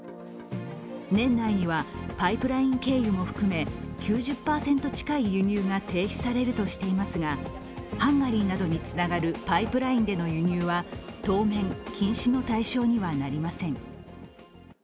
年内にはパイプライン経由も含め９０％近い輸入が停止されるとしていますが、ハンガリーなどにつながるパイプラインでの輸入は当面禁止の対象にはなりません。